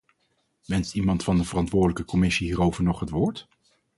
Wenst iemand van de verantwoordelijke commissie hierover nog het woord?